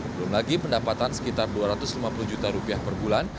belum lagi pendapatan sekitar dua ratus lima puluh juta rupiah per bulan